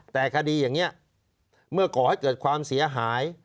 แต่คดีอย่างนี้เมื่อก่อให้เกิดความเสียหาย